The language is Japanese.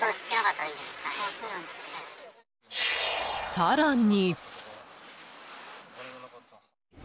更に。